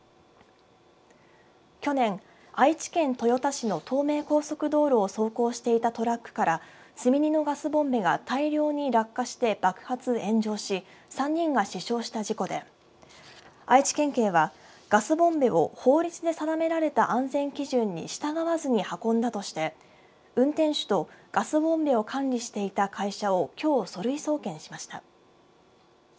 去年、愛知県豊田市の東名高速道路を走行していたトラックから積み荷のガスボンベが大量に落下して爆発、炎上し３人が死傷した事故で愛知県警はガスボンベを法律で定められた安全基準に従わずに運んだとして運転手とガスボンベを管理していた会社をきょう、書類送検しました。